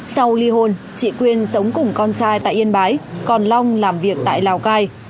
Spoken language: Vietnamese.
sau ly hôn chị quyên sống cùng con trai tại yên bái còn long làm việc tại lào cai